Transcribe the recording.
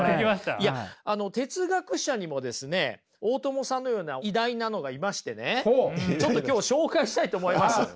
いや哲学者にもですね大友さんのような偉大なのがいましてねちょっと今日紹介したいと思います。